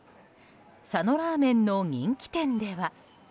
佐野ラーメンの人気店では。